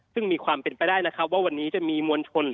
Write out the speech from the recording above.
ซึ่งมีความแปลกไปว่าวันนี้จะมีมวลชน